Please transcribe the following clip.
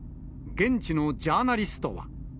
現地のジャーナリストは。